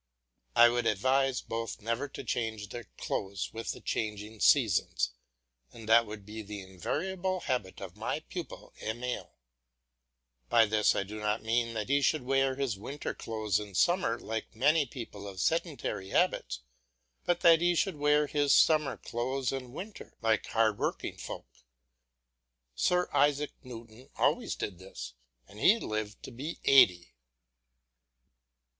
I would advise both never to change their clothes with the changing seasons, and that would be the invariable habit of my pupil Emile. By this I do not mean that he should wear his winter clothes in summer like many people of sedentary habits, but that he should wear his summer clothes in winter like hard working folk. Sir Isaac Newton always did this, and he lived to be eighty.